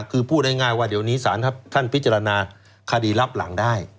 คือพูดง่ายว่าเดี๋ยวนี้สารท่านพิจารณาคดีรับหลังได้